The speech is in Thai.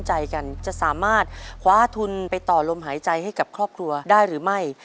ใจกันจะสามารถคว้าทุนไปต่อลมหายใจให้กับครอบครัวได้หรือไม่